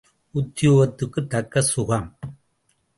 உத்தியோகத்துக்குத் தக்க ககம்.